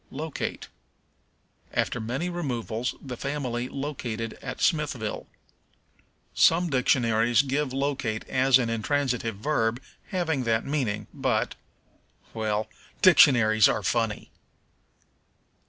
Locate. "After many removals the family located at Smithville." Some dictionaries give locate as an intransitive verb having that meaning, but well, dictionaries are funny.